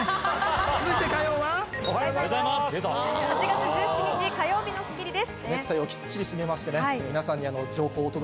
８月１８日水曜日の『スッキリ』です。